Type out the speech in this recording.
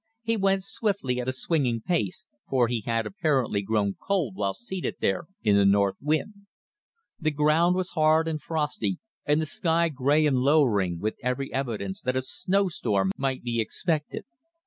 He went swiftly at a swinging pace, for he had apparently grown cold while seated there in the north wind. The ground was hard and frosty, and the sky grey and lowering, with every evidence that a snowstorm might be expected.